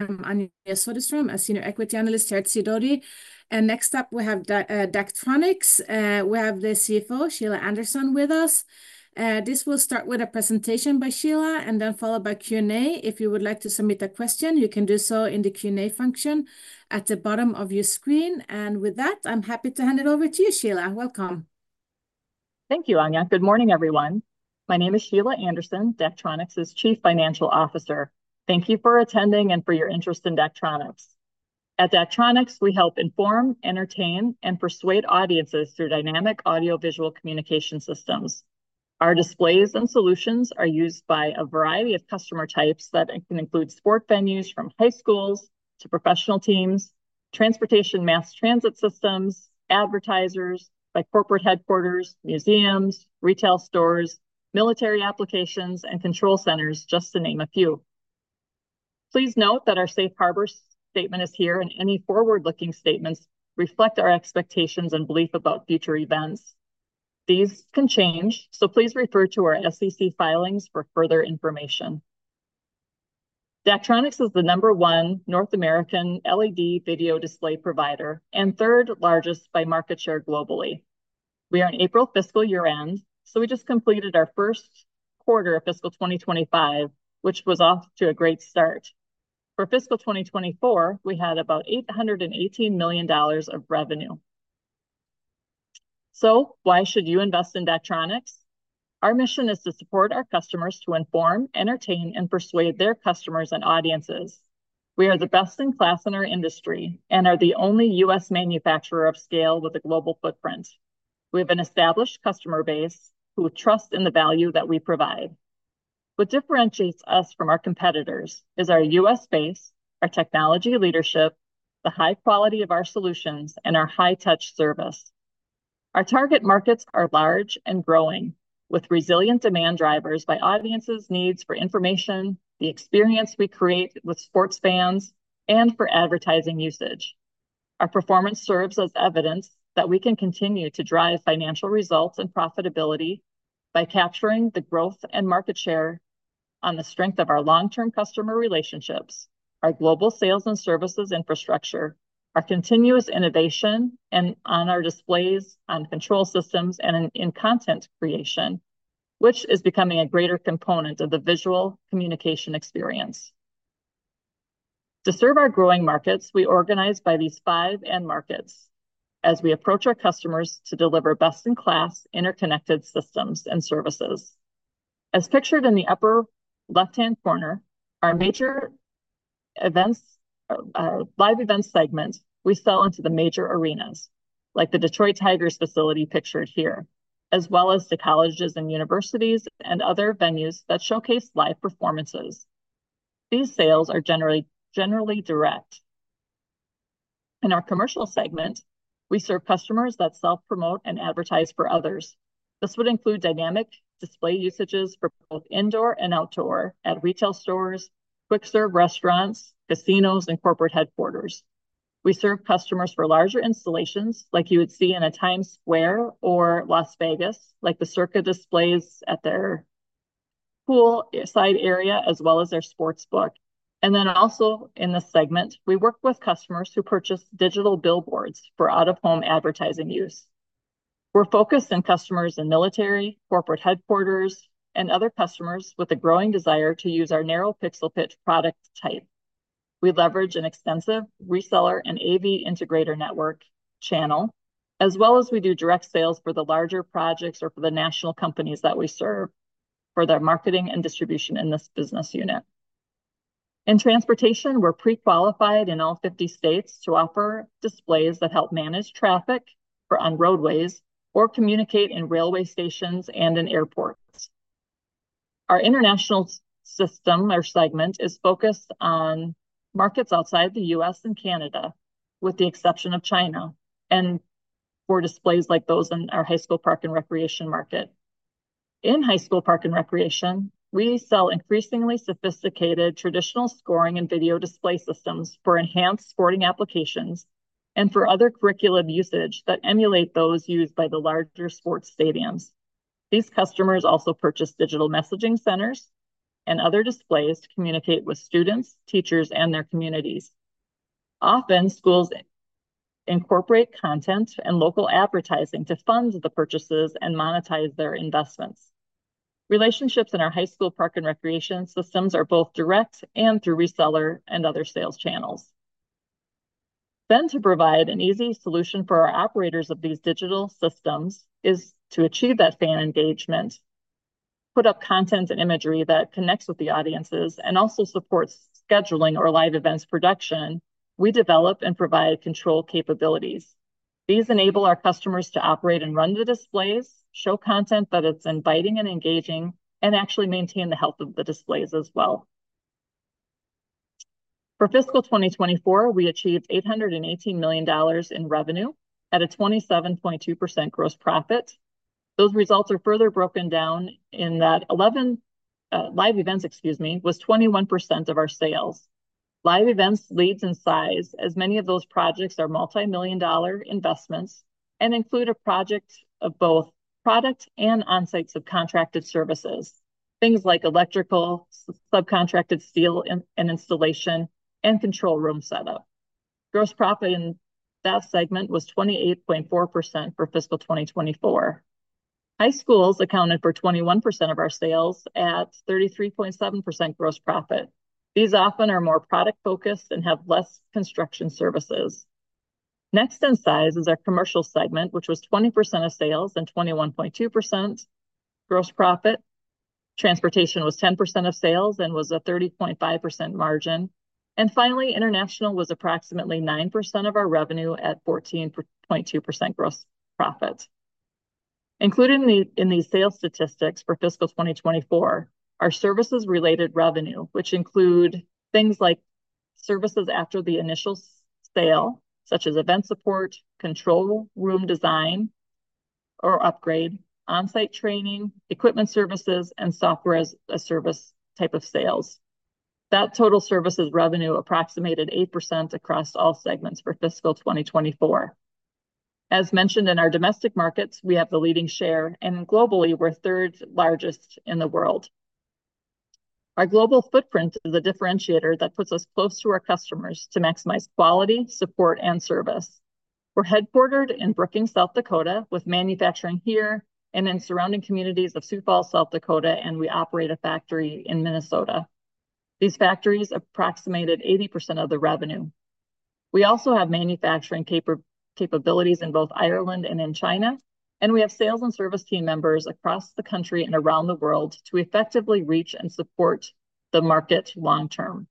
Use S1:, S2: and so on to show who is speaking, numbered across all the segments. S1: I'm Anja Soderstrom, a senior equity analyst here at Sidoti. And next up, we have Daktronics. We have the CFO, Sheila Anderson, with us. This will start with a presentation by Sheila, and then followed by Q&A. If you would like to submit a question, you can do so in the Q&A function at the bottom of your screen. And with that, I'm happy to hand it over to you, Sheila. Welcome.
S2: Thank you, Anja. Good morning, everyone. My name is Sheila Anderson, Daktronics's Chief Financial Officer. Thank you for attending and for your interest in Daktronics. At Daktronics, we help inform, entertain, and persuade audiences through dynamic audiovisual communication systems. Our displays and solutions are used by a variety of customer types that can include sport venues, from high schools to professional teams, transportation, mass transit systems, advertisers, like corporate headquarters, museums, retail stores, military applications, and control centers, just to name a few. Please note that our safe harbor statement is here, and any forward-looking statements reflect our expectations and belief about future events. These can change, so please refer to our SEC filings for further information. Daktronics is the number one North American LED video display provider, and third largest by market share globally. We are an April fiscal year end, so we just completed our first quarter of fiscal 2025, which was off to a great start. For fiscal 2024, we had about $818 million of revenue. So why should you invest in Daktronics? Our mission is to support our customers to inform, entertain, and persuade their customers and audiences. We are the best in class in our industry, and are the only U.S. manufacturer of scale with a global footprint. We have an established customer base, who trust in the value that we provide. What differentiates us from our competitors is our U.S. base, our technology leadership, the high quality of our solutions, and our high-touch service. Our target markets are large and growing, with resilient demand driven by audiences' needs for information, the experience we create with sports fans, and for advertising usage. Our performance serves as evidence that we can continue to drive financial results and profitability by capturing the growth and market share on the strength of our long-term customer relationships, our global sales and services infrastructure, our continuous innovation, and on our displays, on control systems, and in content creation, which is becoming a greater component of the visual communication experience. To serve our growing markets, we organize by these five end markets, as we approach our customers to deliver best-in-class, interconnected systems and services. As pictured in the upper left-hand corner, our live events segment, we sell into the major arenas, like the Detroit Tigers facility pictured here, as well as to colleges and universities, and other venues that showcase live performances. These sales are generally direct. In our commercial segment, we serve customers that self-promote and advertise for others. This would include dynamic display usages for both indoor and outdoor, at retail stores, quick-serve restaurants, casinos, and corporate headquarters. We serve customers for larger installations, like you would see in a Times Square or Las Vegas, like the Circa displays at their poolside area, as well as their sportsbook. And then also in this segment, we work with customers who purchase digital billboards for out-of-home advertising use. We're focused on customers in military, corporate headquarters, and other customers with a growing desire to use our narrow pixel pitch product type. We leverage an extensive reseller and AV integrator network channel, as well as we do direct sales for the larger projects or for the national companies that we serve, for their marketing and distribution in this business unit. In transportation, we're pre-qualified in all fifty states to offer displays that help manage traffic for on roadways or communicate in railway stations and in airports. Our international system or segment is focused on markets outside the U.S. and Canada, with the exception of China, and for displays like those in our high school, park, and recreation market. In high school, park, and recreation, we sell increasingly sophisticated traditional scoring and video display systems for enhanced sporting applications and for other curriculum usage that emulate those used by the larger sports stadiums. These customers also purchase digital messaging centers and other displays to communicate with students, teachers, and their communities. Often, schools incorporate content and local advertising to fund the purchases and monetize their investments. Relationships in our high school, park, and recreation systems are both direct and through reseller and other sales channels. Then, to provide an easy solution for our operators of these digital systems is to achieve that fan engagement, put up content and imagery that connects with the audiences, and also supports scheduling or live events production, we develop and provide control capabilities. These enable our customers to operate and run the displays, show content that is inviting and engaging, and actually maintain the health of the displays as well. For fiscal 2024, we achieved $818 million in revenue at a 27.2% gross profit. Those results are further broken down in that live events, excuse me, was 21% of our sales. Live events leads in size, as many of those projects are multimillion-dollar investments, and include a project of both product and on-site subcontracted services. Things like electrical, subcontracted steel and installation, and control room setup. Gross profit in that segment was 28.4% for fiscal 2024. High schools accounted for 21% of our sales at 33.7% gross profit. These often are more product-focused and have less construction services. Next in size is our commercial segment, which was 20% of sales and 21.2% gross profit. Transportation was 10% of sales and was a 30.5% margin. And finally, international was approximately 9% of our revenue at 14.2% gross profit. Included in these sales statistics for fiscal 2024 are services-related revenue, which include things like services after the initial sale, such as event support, control room design or upgrade, on-site training, equipment services, and software as a service type of sales. That total services revenue approximated 8% across all segments for fiscal 2024. As mentioned in our domestic markets, we have the leading share, and globally, we're third largest in the world. Our global footprint is a differentiator that puts us close to our customers to maximize quality, support, and service. We're headquartered in Brookings, South Dakota, with manufacturing here and in surrounding communities of Sioux Falls, South Dakota, and we operate a factory in Minnesota. These factories approximated 80% of the revenue. We also have manufacturing capabilities in both Ireland and in China, and we have sales and service team members across the country and around the world to effectively reach and support the market long-term.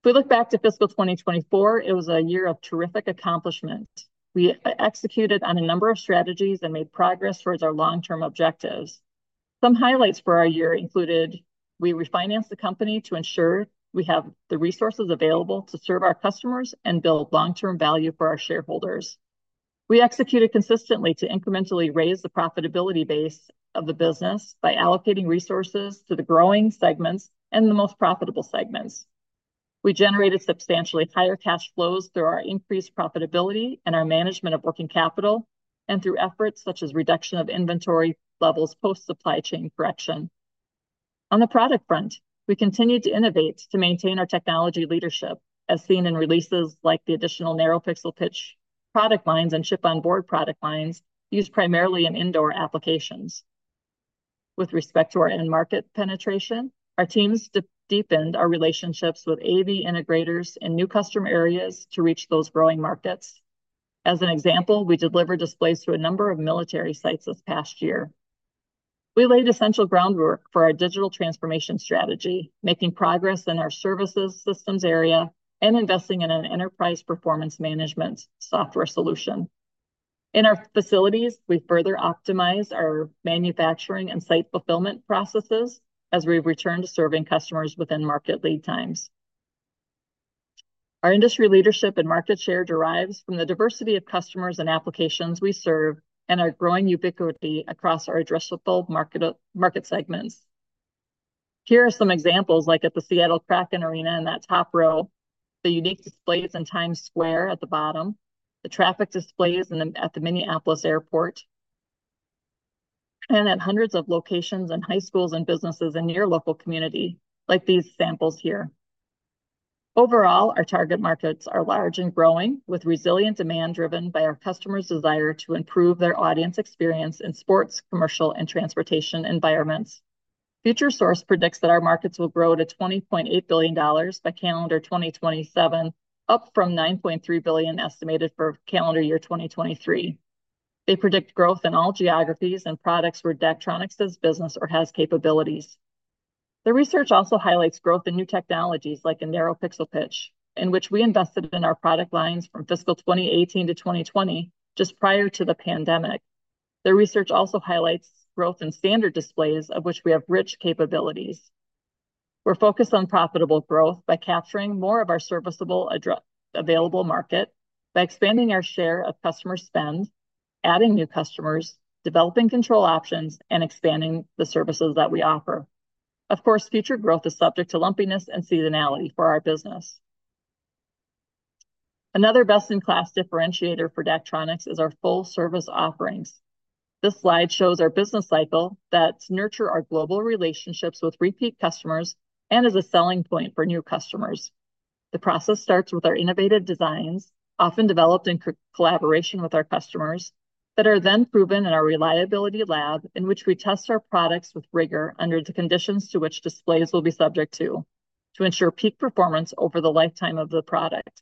S2: If we look back to fiscal 2024, it was a year of terrific accomplishment. We executed on a number of strategies and made progress towards our long-term objectives. Some highlights for our year included: we refinanced the company to ensure we have the resources available to serve our customers and build long-term value for our shareholders. We executed consistently to incrementally raise the profitability base of the business by allocating resources to the growing segments and the most profitable segments. We generated substantially higher cash flows through our increased profitability and our management of working capital, and through efforts such as reduction of inventory levels post supply chain correction. On the product front, we continued to innovate to maintain our technology leadership, as seen in releases like the additional narrow pixel pitch product lines and chip-on-board product lines used primarily in indoor applications. With respect to our end market penetration, our teams deepened our relationships with AV integrators in new customer areas to reach those growing markets. As an example, we delivered displays to a number of military sites this past year. We laid essential groundwork for our digital transformation strategy, making progress in our services systems area, and investing in an enterprise performance management software solution. In our facilities, we've further optimized our manufacturing and site fulfillment processes as we return to serving customers within market lead times. Our industry leadership and market share derives from the diversity of customers and applications we serve, and our growing ubiquity across our addressable market, market segments. Here are some examples, like at the Seattle Kraken Arena in that top row, the unique displays in Times Square at the bottom, the traffic displays at the Minneapolis Airport, and at hundreds of locations and high schools and businesses in your local community, like these samples here. Overall, our target markets are large and growing, with resilient demand driven by our customers' desire to improve their audience experience in sports, commercial, and transportation environments. Futuresource predicts that our markets will grow to $20.8 billion by calendar 2027, up from $9.3 billion estimated for calendar year 2023. They predict growth in all geographies and products where Daktronics does business or has capabilities. The research also highlights growth in new technologies like in narrow pixel pitch, in which we invested in our product lines from fiscal 2018-2020, just prior to the pandemic. The research also highlights growth in standard displays, of which we have rich capabilities. We're focused on profitable growth by capturing more of our serviceable available market, by expanding our share of customer spend, adding new customers, developing control options, and expanding the services that we offer. Of course, future growth is subject to lumpiness and seasonality for our business. Another best-in-class differentiator for Daktronics is our full-service offerings. This slide shows our business cycle that nurture our global relationships with repeat customers and is a selling point for new customers. The process starts with our innovative designs, often developed in collaboration with our customers, that are then proven in our reliability lab, in which we test our products with rigor under the conditions to which displays will be subject to, to ensure peak performance over the lifetime of the product.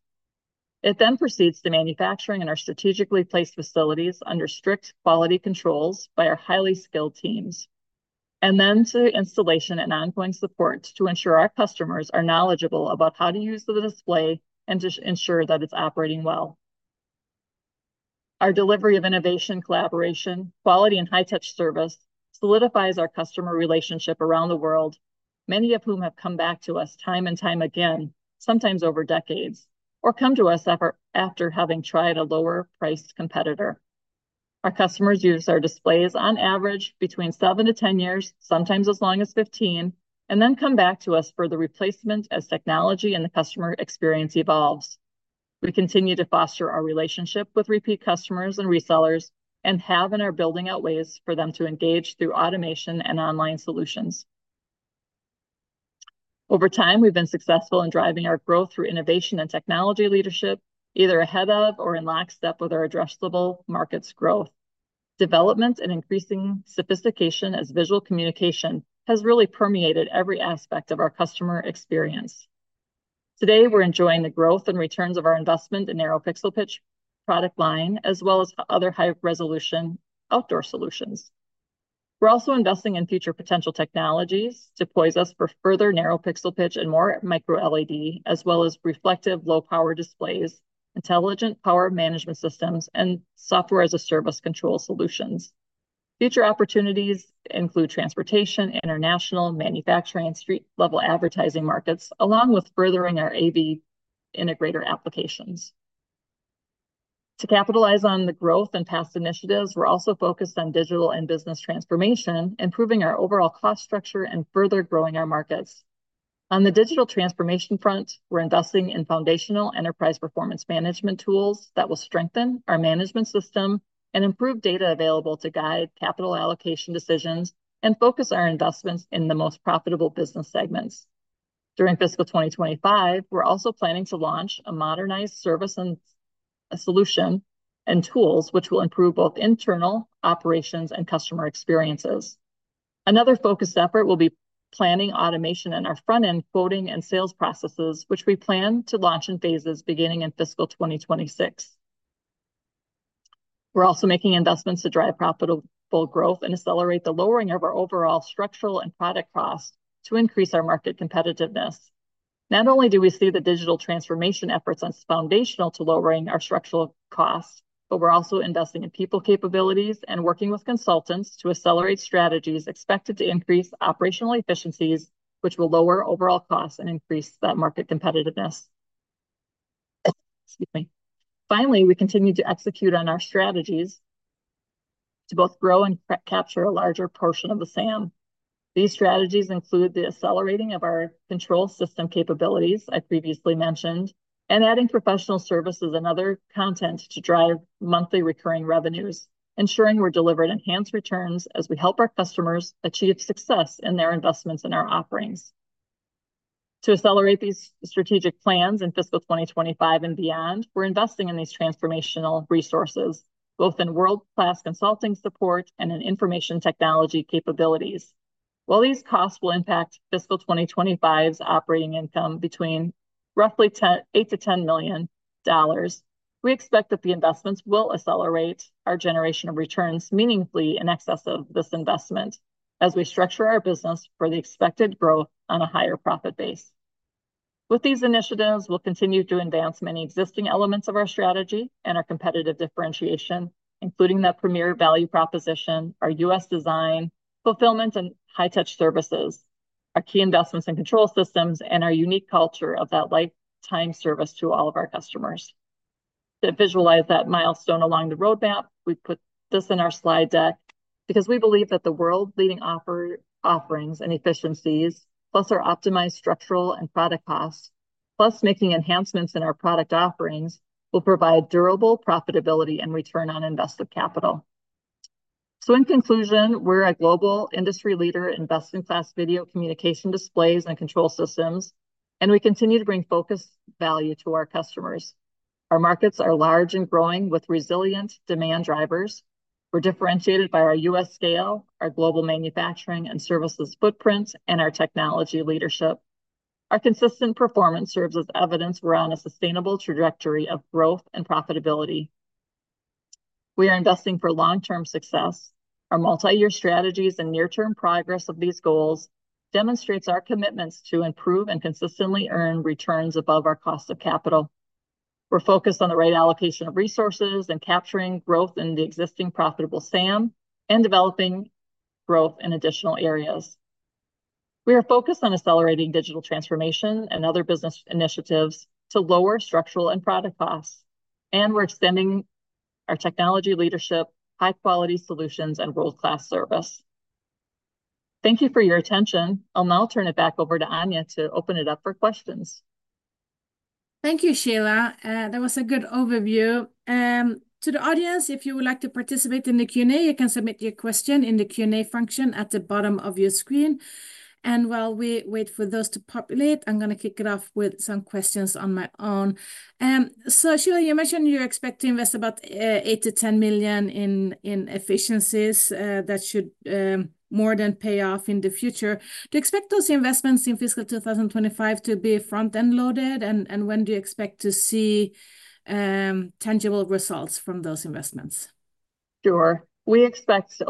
S2: It then proceeds to manufacturing in our strategically placed facilities under strict quality controls by our highly skilled teams, and then to installation and ongoing support to ensure our customers are knowledgeable about how to use the display and to ensure that it's operating well. Our delivery of innovation, collaboration, quality, and high-touch service solidifies our customer relationship around the world, many of whom have come back to us time and time again, sometimes over decades, or come to us after having tried a lower-priced competitor. Our customers use our displays on average between seven to ten years, sometimes as long as 15... and then come back to us for the replacement as technology and the customer experience evolves. We continue to foster our relationship with repeat customers and resellers, and have and are building out ways for them to engage through automation and online solutions. Over time, we've been successful in driving our growth through innovation and technology leadership, either ahead of or in lockstep with our addressable market's growth. Development and increasing sophistication as visual communication has really permeated every aspect of our customer experience. Today, we're enjoying the growth and returns of our investment in narrow pixel pitch product line, as well as other high-resolution outdoor solutions. We're also investing in future potential technologies to position us for further narrow pixel pitch and more micro LED, as well as reflective low-power displays, intelligent power management systems, and software-as-a-service control solutions. Future opportunities include transportation, international, manufacturing, street-level advertising markets, along with furthering our AV integrator applications. To capitalize on the growth and past initiatives, we're also focused on digital and business transformation, improving our overall cost structure, and further growing our markets. On the digital transformation front, we're investing in foundational enterprise performance management tools that will strengthen our management system and improve data available to guide capital allocation decisions, and focus our investments in the most profitable business segments. During fiscal 2025, we're also planning to launch a modernized service and solution and tools, which will improve both internal operations and customer experiences. Another focused effort will be planning automation in our front-end quoting and sales processes, which we plan to launch in phases beginning in fiscal 2026. We're also making investments to drive profitable growth and accelerate the lowering of our overall structural and product costs to increase our market competitiveness. Not only do we see the digital transformation efforts as foundational to lowering our structural costs, but we're also investing in people capabilities and working with consultants to accelerate strategies expected to increase operational efficiencies, which will lower overall costs and increase that market competitiveness. Excuse me. Finally, we continue to execute on our strategies to both grow and capture a larger portion of the SAM. These strategies include the accelerating of our control system capabilities I previously mentioned, and adding professional services and other content to drive monthly recurring revenues, ensuring we deliver enhanced returns as we help our customers achieve success in their investments in our offerings. To accelerate these strategic plans in fiscal 2025 and beyond, we're investing in these transformational resources, both in world-class consulting support and in information technology capabilities. While these costs will impact fiscal 2025's operating income between roughly $8 million-$10 million, we expect that the investments will accelerate our generation of returns meaningfully in excess of this investment, as we structure our business for the expected growth on a higher profit base. With these initiatives, we'll continue to advance many existing elements of our strategy and our competitive differentiation, including that premier value proposition, our U.S. design, fulfillment, and high-touch services, our key investments in control systems, and our unique culture of that lifetime service to all of our customers. To visualize that milestone along the roadmap, we put this in our slide deck, because we believe that the world-leading offerings and efficiencies, plus our optimized structural and product costs, plus making enhancements in our product offerings, will provide durable profitability and return on invested capital. So in conclusion, we're a global industry leader in best-in-class video communication displays and control systems, and we continue to bring focused value to our customers. Our markets are large and growing, with resilient demand drivers. We're differentiated by our U.S. scale, our global manufacturing and services footprint, and our technology leadership. Our consistent performance serves as evidence we're on a sustainable trajectory of growth and profitability. We are investing for long-term success. Our multi-year strategies and near-term progress of these goals demonstrates our commitments to improve and consistently earn returns above our cost of capital. We're focused on the right allocation of resources and capturing growth in the existing profitable SAM, and developing growth in additional areas. We are focused on accelerating digital transformation and other business initiatives to lower structural and product costs, and we're extending our technology leadership, high-quality solutions, and world-class service. Thank you for your attention. I'll now turn it back over to Anja to open it up for questions.
S1: Thank you, Sheila. That was a good overview. To the audience, if you would like to participate in the Q&A, you can submit your question in the Q&A function at the bottom of your screen. While we wait for those to populate, I'm gonna kick it off with some questions on my own. So Sheila, you mentioned you expect to invest about $8 million-$10 million in efficiencies that should more than pay off in the future. Do you expect those investments in fiscal 2025 to be front-end loaded, and when do you expect to see tangible results from those investments?
S2: Sure. We expect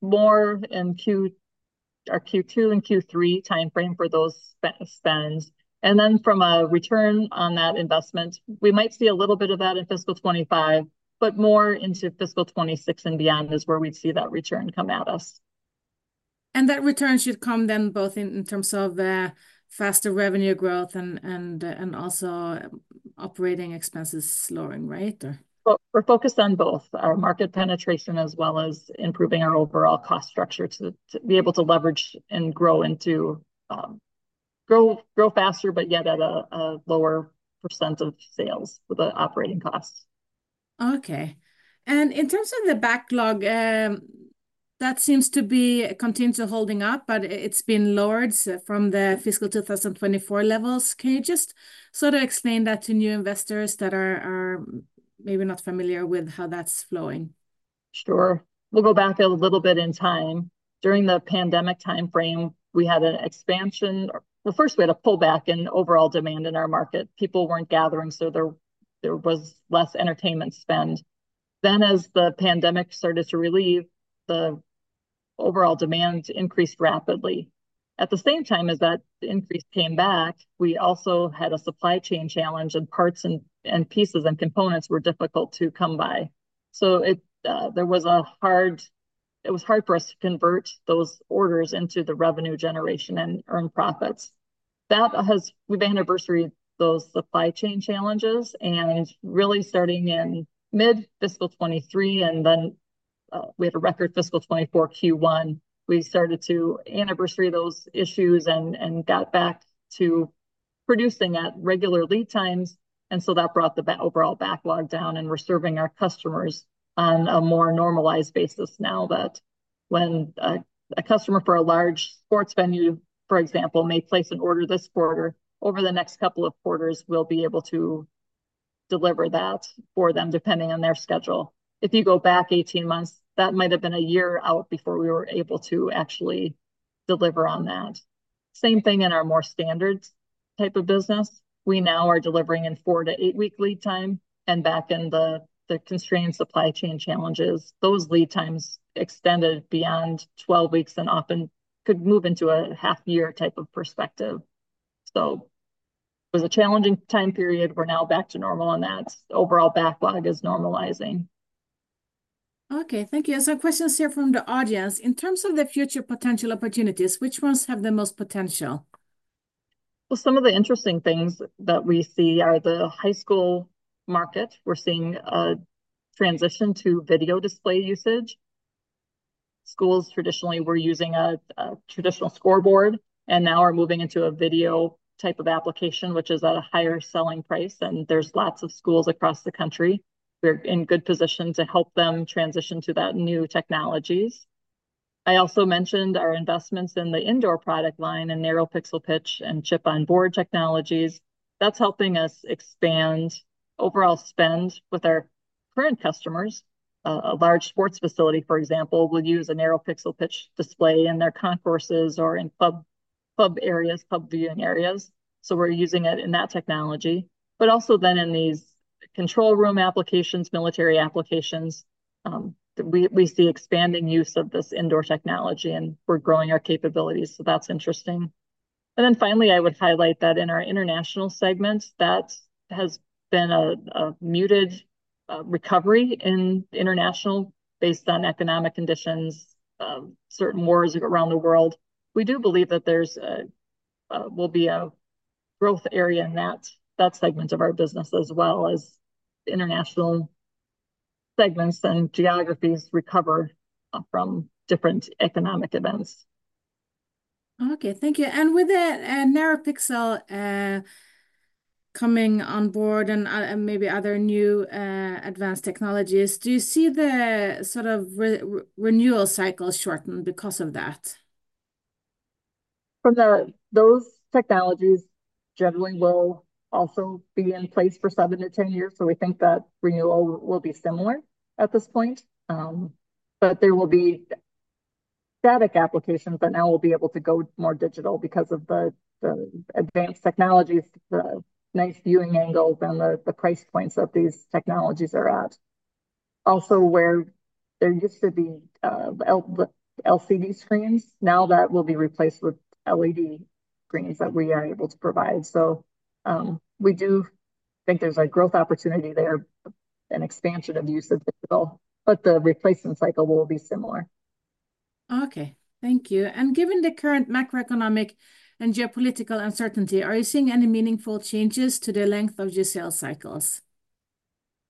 S2: more in our Q2 and Q3 timeframe for those spends. And then from a return on that investment, we might see a little bit of that in fiscal 2025, but more into fiscal 2026 and beyond is where we'd see that return come at us.
S1: And that return should come then both in terms of faster revenue growth and also operating expenses slowing, right? Or
S2: We're focused on both our market penetration, as well as improving our overall cost structure, to be able to leverage and grow faster, but yet at a lower percent of sales with the operating costs.
S1: Okay. And in terms of the backlog, that seems to be continuing to holding up, but it's been lowered from the fiscal 2024 levels. Can you just sort of explain that to new investors that are maybe not familiar with how that's flowing?
S2: Sure. We'll go back a little bit in time. During the pandemic timeframe, we had an expansion. Well, first, we had a pullback in overall demand in our market. People weren't gathering, so there was less entertainment spend. Then, as the pandemic started to relieve, the overall demand increased rapidly. At the same time as that increase came back, we also had a supply chain challenge, and parts and pieces and components were difficult to come by. So it was hard for us to convert those orders into the revenue generation and earn profits. We've anniversaried those supply chain challenges, and really starting in mid-fiscal 2023, and then we had a record fiscal 2024 Q1. We started to anniversary those issues and got back to producing at regular lead times. And so that brought the overall backlog down, and we're serving our customers on a more normalized basis now that when a customer for a large sports venue, for example, may place an order this quarter, over the next couple of quarters, we'll be able to deliver that for them, depending on their schedule. If you go back 18 months, that might have been a year out before we were able to actually deliver on that. Same thing in our more standards type of business. We now are delivering in four to eight week lead time, and back in the constrained supply chain challenges, those lead times extended beyond 12 weeks and often could move into a half-year type of perspective. So it was a challenging time period. We're now back to normal, and that overall backlog is normalizing.
S1: Okay, thank you. There's some questions here from the audience. In terms of the future potential opportunities, which ones have the most potential?
S2: Some of the interesting things that we see are the high school market. We're seeing a transition to video display usage. Schools traditionally were using a traditional scoreboard, and now are moving into a video type of application, which is at a higher selling price, and there's lots of schools across the country. We're in good position to help them transition to that new technologies. I also mentioned our investments in the indoor product line and narrow pixel pitch and chip-on-board technologies. That's helping us expand overall spend with our current customers. A large sports facility, for example, will use a narrow pixel pitch display in their concourses or in pub areas, pub viewing areas, so we're using it in that technology. But also then in these control room applications, military applications, we see expanding use of this indoor technology, and we're growing our capabilities, so that's interesting. And then finally, I would highlight that in our international segments, that has been a muted recovery in international based on economic conditions, certain wars around the world. We do believe that there's a will be a growth area in that segment of our business, as well as international segments and geographies recover from different economic events.
S1: Okay, thank you. And with the narrow pixel coming on board and maybe other new advanced technologies, do you see the sort of renewal cycle shorten because of that?
S2: Those technologies generally will also be in place for seven to ten years, so we think that renewal will be similar at this point, but there will be static applications that now will be able to go more digital because of the advanced technologies, the nice viewing angles, and the price points that these technologies are at. Also, where there used to be LCD screens, now that will be replaced with LED screens that we are able to provide, so we do think there's a growth opportunity there, an expansion of use of digital, but the replacement cycle will be similar.
S1: Okay, thank you. And given the current macroeconomic and geopolitical uncertainty, are you seeing any meaningful changes to the length of your sales cycles?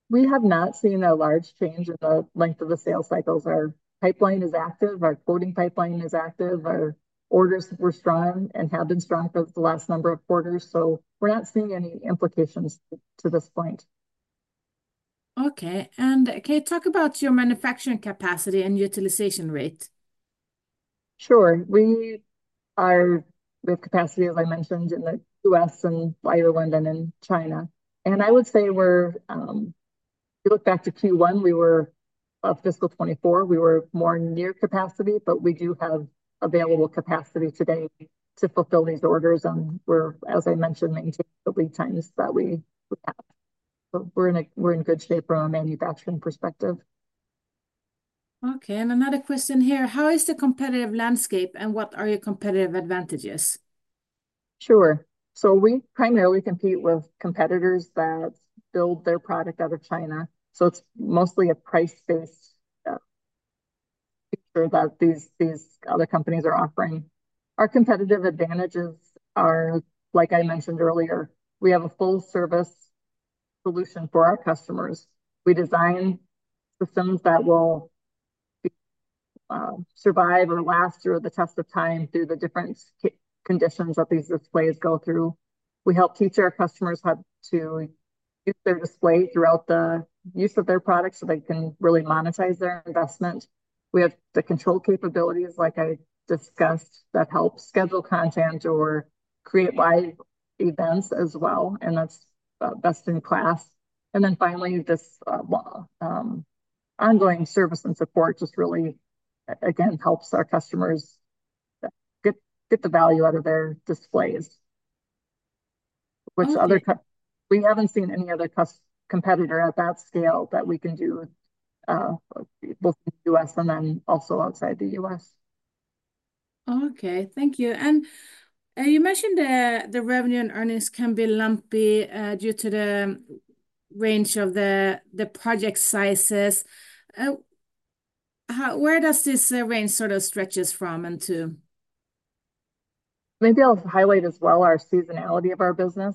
S2: We have not seen a large change in the length of the sales cycles. Our pipeline is active, our quoting pipeline is active, our orders were strong and have been strong for the last number of quarters. So we're not seeing any implications to this point.
S1: Okay, and can you talk about your manufacturing capacity and utilization rate?
S2: Sure. We have capacity, as I mentioned, in the U.S. and Ireland and in China. And I would say we're. If you look back to Q1, we were fiscal 2024, we were more near capacity, but we do have available capacity today to fulfill these orders, and we're, as I mentioned, maintaining the lead times that we have. But we're in good shape from a manufacturing perspective.
S1: Okay, and another question here: How is the competitive landscape, and what are your competitive advantages?
S2: Sure. So we primarily compete with competitors that build their product out of China, so it's mostly a price-based picture that these other companies are offering. Our competitive advantages are, like I mentioned earlier, we have a full-service solution for our customers. We design systems that will survive or last through the test of time through the different conditions that these displays go through. We help teach our customers how to use their display throughout the use of their products, so they can really monetize their investment. We have the control capabilities, like I discussed, that help schedule content or create live events as well, and that's best in class. And then finally, ongoing service and support just really again helps our customers get the value out of their displays.
S1: Okay.
S2: We haven't seen any other competitor at that scale that we can do both in the U.S. and then also outside the U.S.
S1: Okay, thank you and you mentioned the revenue and earnings can be lumpy due to the range of the project sizes. How... where does this range sort of stretches from and to?
S2: Maybe I'll highlight as well our seasonality of our business.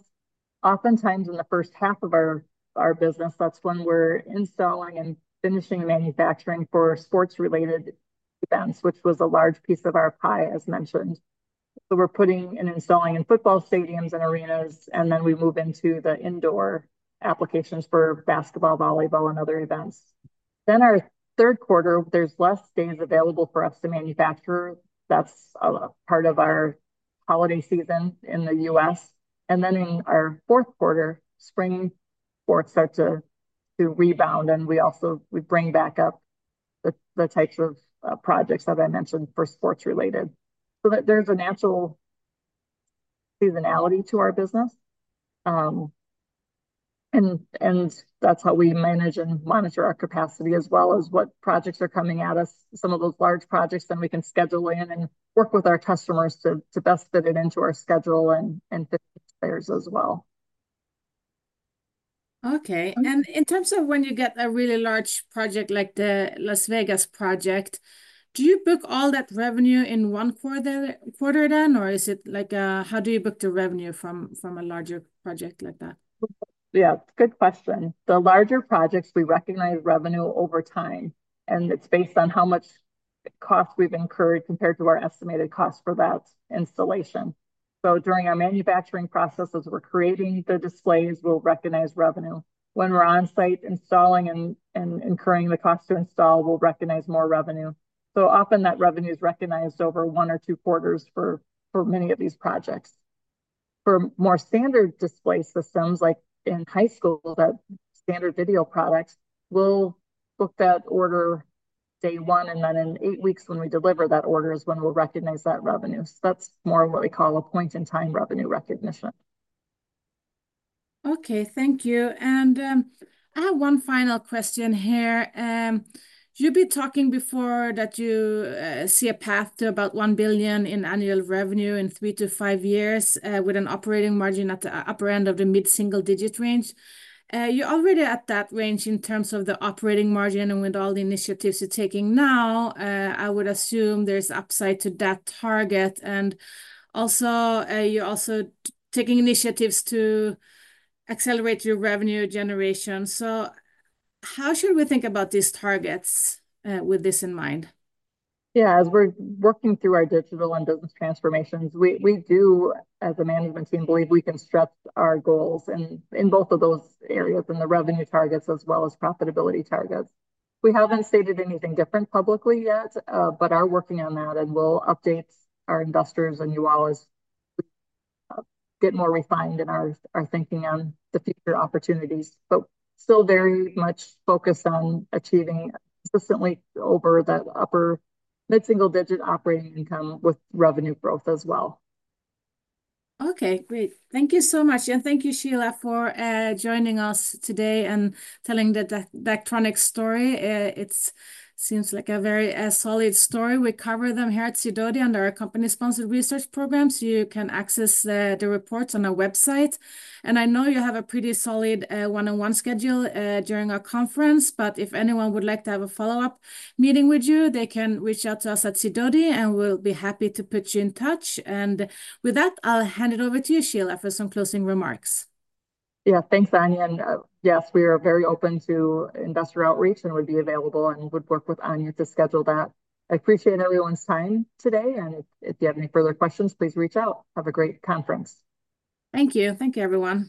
S2: Oftentimes, in the first half of our business, that's when we're installing and finishing manufacturing for sports-related events, which was a large piece of our pie, as mentioned. So we're putting and installing in football stadiums and arenas, and then we move into the indoor applications for basketball, volleyball, and other events. Then our third quarter, there's less days available for us to manufacture. That's a part of our holiday season in the U.S. And then in our fourth quarter, spring sports start to rebound, and we also we bring back up the types of projects that I mentioned for sports-related. So there's a natural seasonality to our business, and that's how we manage and monitor our capacity, as well as what projects are coming at us. Some of those large projects, then we can schedule in and work with our customers to best fit it into our schedule and fit theirs as well.
S1: Okay. And in terms of when you get a really large project, like the Las Vegas project, do you book all that revenue in one quarter then? Or is it like, how do you book the revenue from a larger project like that?
S2: Yeah, good question. The larger projects, we recognize revenue over time, and it's based on how much cost we've incurred compared to our estimated cost for that installation. So during our manufacturing process, as we're creating the displays, we'll recognize revenue. When we're on site installing and incurring the cost to install, we'll recognize more revenue. So often that revenue is recognized over one or two quarters for many of these projects. For more standard display systems, like in high school, that standard video products, we'll book that order day one, and then in eight weeks, when we deliver that order, is when we'll recognize that revenue. So that's more what we call a point-in-time revenue recognition.
S1: Okay, thank you, and I have one final question here. You've been talking before that you see a path to about one billion in annual revenue in three to five years, with an operating margin at the upper end of the mid-single-digit range. You're already at that range in terms of the operating margin, and with all the initiatives you're taking now, I would assume there's upside to that target, and also you're also taking initiatives to accelerate your revenue generation, so how should we think about these targets with this in mind?
S2: Yeah, as we're working through our digital and business transformations, we do, as a management team, believe we can stretch our goals in both of those areas, in the revenue targets as well as profitability targets. We haven't stated anything different publicly yet, but are working on that, and we'll update our investors and you all as we get more refined in our thinking on the future opportunities. But still very much focused on achieving consistently over that upper mid-single-digit operating income with revenue growth as well.
S1: Okay, great. Thank you so much, and thank you, Sheila, for joining us today and telling the Daktronics story. It seems like a very solid story. We cover them here at Sidoti under our company-sponsored research program, so you can access the reports on our website. And I know you have a pretty solid one-on-one schedule during our conference, but if anyone would like to have a follow-up meeting with you, they can reach out to us at Sidoti, and we'll be happy to put you in touch. And with that, I'll hand it over to you, Sheila, for some closing remarks.
S2: Yeah. Thanks, Anja, and yes, we are very open to investor outreach and would be available and would work with Anja to schedule that. I appreciate everyone's time today, and if you have any further questions, please reach out. Have a gre at conference.
S1: Thank you. Thank you, everyone.